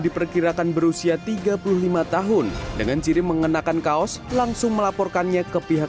diperkirakan berusia tiga puluh lima tahun dengan ciri mengenakan kaos langsung melaporkannya ke pihak